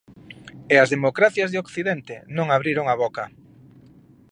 E as democracias de Occidente non abriron a boca.